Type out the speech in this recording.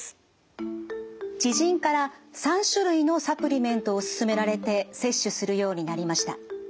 知人から３種類のサプリメントを勧められて摂取するようになりました。